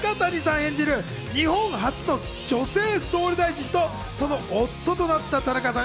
演じる日本初の女性総理大臣とその夫となった田中さん